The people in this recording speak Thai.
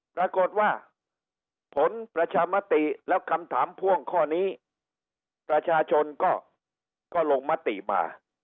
ปรากฏว่าผลประชามติแล้วคำถามพ่วงข้อนี้ประชาชนก็ลงมติมา